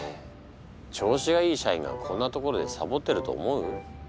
調子がいい社員がこんな所でサボってると思う？